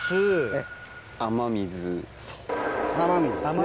えっ。